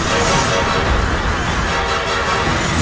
tuan tuan pulang biar saya selesai semuanya